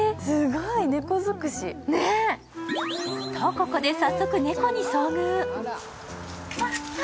ここで早速、猫に遭遇。